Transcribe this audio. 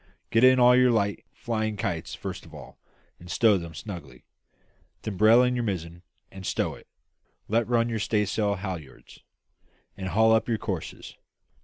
Get in all your light flying kites first of all, and stow them snugly; then brail in your mizzen and stow it; let run your staysail halliards, and haul up your courses.